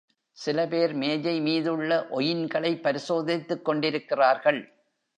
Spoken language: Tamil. சில பேர், மேஜை மீதுள்ள ஒயின்களைப் பரிசோதித்துக் கொண்டிருக்கிறார்கள்.